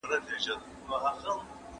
زه د مرکیخیلو د کلي څخه یم.